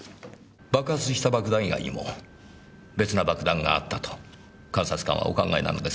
爆発した爆弾以外にも別な爆弾があったと監察官はお考えなのですね？